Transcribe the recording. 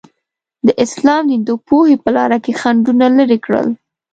د اسلام دین د پوهې په لاره کې خنډونه لرې کړل.